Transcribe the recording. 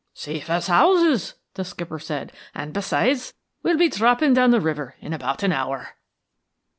"Safe as houses!" the skipper said. "And, besides, we shall be dropping down the river in about an hour."